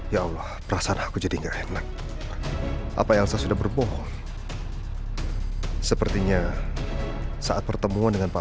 ya allah perasaan aku jadi enggak enak apa yang saya sudah berbohong sepertinya saat pertemuan dengan pak